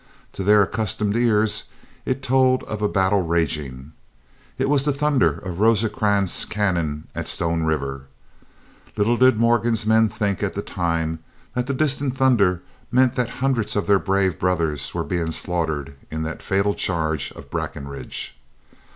To their accustomed ears it told of a battle raging. It was the thunder of Rosecrans's cannon at Stone River. Little did Morgan's men think at that time that that distant thunder meant that hundreds of their brave brothers were being slaughtered in that fatal charge of Breckinridge.